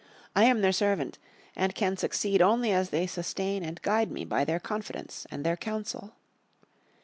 I am their servant, and can succeed only as they sustain and guide me by their confidence, and their counsel...